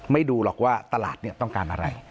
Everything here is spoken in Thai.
ดูหรอกว่าตลาดต้องการอะไร